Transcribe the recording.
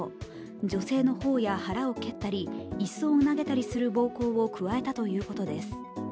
女性の頬や腹を蹴ったり椅子を投げたりする暴行を加えたということです。